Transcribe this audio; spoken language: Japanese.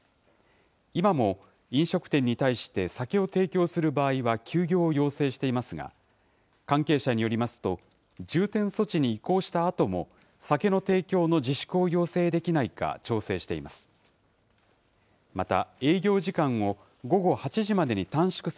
今も飲食店に対して、酒を提供する場合は休業を要請していますが、関係者によりますと、重点措置に移行したあとも、酒の提供の自粛を要請できないか、調整しています。